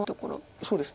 そうですね。